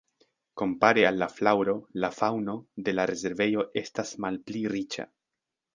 Kompare al la flaŭro la faŭno de la rezervejo estas malpli riĉa.